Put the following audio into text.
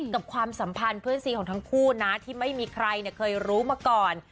ความสัมพันธ์เพื่อนซีของทั้งคู่นะที่ไม่มีใครเคยรู้มาก่อน